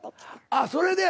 あっそれで。